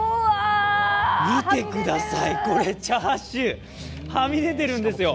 見てください、これ、チャーシューはみ出てるんですよ。